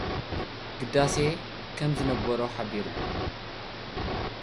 ግዳሴ ከምዝነበሮ ሓቢሩ።